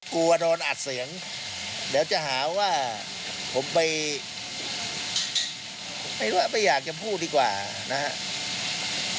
กลัวโดนอัดเสียงเดี๋ยวจะหาว่าผมไปไม่รู้ว่าไม่อยากจะพูดดีกว่านะครับ